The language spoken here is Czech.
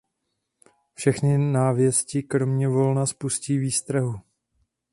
Všechny návěsti kromě volna spustí výstrahu.